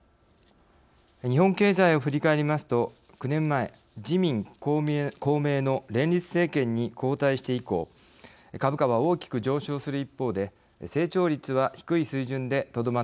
日本経済を振り返りますと９年前自民・公明の連立政権に交代して以降株価は大きく上昇する一方で成長率は低い水準でとどまってきました。